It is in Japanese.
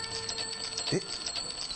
えっ。